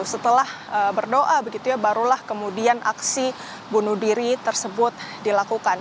setelah berdoa begitu ya barulah kemudian aksi bunuh diri tersebut dilakukan